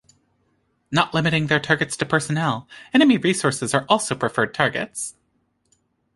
Not limiting their targets to personnel, enemy resources are also preferred targets.